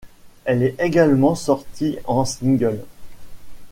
Elle est également sortie en single.